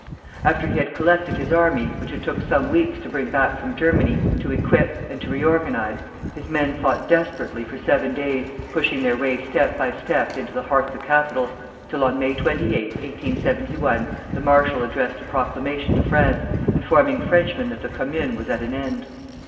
After he had collected his army, which it took some weeks to bring back from Germany, to equip, and to reorganize, his men fought desperately for seven days, pushing their way step by step into the heart of the capital, till on May 28, 1871, the marshal addressed a proclamation to France, informing Frenchmen that the Commune was at an end.